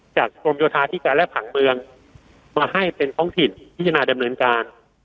กรมโยธาธิการและผังเมืองมาให้เป็นท้องถิ่นพิจารณาดำเนินการ